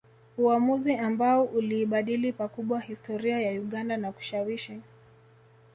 Uamuzi ambao uliibadili pakubwa historia ya Uganda na kushawishi